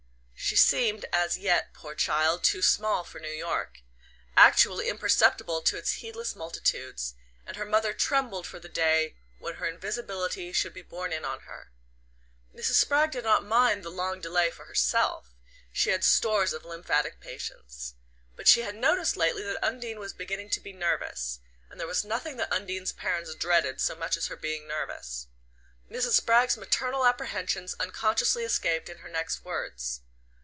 She seemed as yet poor child! too small for New York: actually imperceptible to its heedless multitudes; and her mother trembled for the day when her invisibility should be borne in on her. Mrs. Spragg did not mind the long delay for herself she had stores of lymphatic patience. But she had noticed lately that Undine was beginning to be nervous, and there was nothing that Undine's parents dreaded so much as her being nervous. Mrs. Spragg's maternal apprehensions unconsciously escaped in her next words.